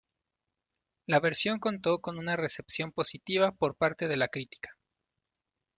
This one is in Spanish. La versión contó con una recepción positiva por parte de la crítica.